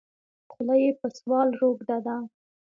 خوله یې په سوال روږده ده.